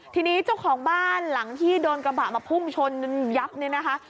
ทีนี้เจ้าของบ้านหลังที่โดนกระบะมาพุ่งชนจนยับเนี่ยนะคะ